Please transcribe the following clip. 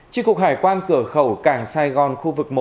tri cục hải quan cửa khẩu cảng sài gòn khu vực một